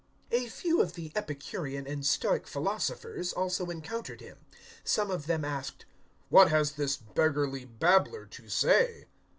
017:018 A few of the Epicurean and Stoic philosophers also encountered him. Some of them asked, "What has this beggarly babbler to say?"